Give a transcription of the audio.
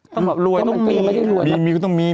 ต้องบอกรวยต้องมีมีก็ต้องมี